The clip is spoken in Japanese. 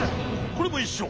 これもいっしょ。